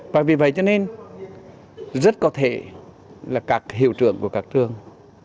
và vì vậy cho nên rất có thể là các hiệu trưởng của các trường